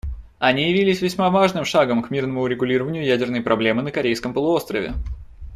Они явились весьма важным шагом к мирному урегулированию ядерной проблемы на Корейском полуострове.